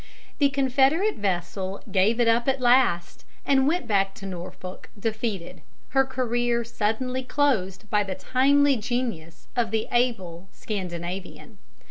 The Confederate vessel gave it up at last, and went back to Norfolk defeated, her career suddenly closed by the timely genius of the able Scandinavian.